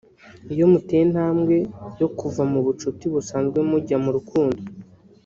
Iyo muteye intambwe yo kuva mu bucuti busanzwe mujya mu rukundo